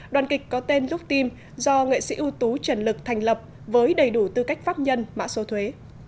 đoàn kịch có tên luk tim do nghệ sĩ ưu tú trần lực thành lập với đầy đủ tư cách pháp nhân mã số thuế